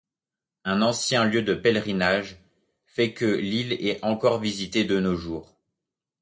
Un ancien lieu de pèlerinage fait que l'île est encore visitée de nos jours.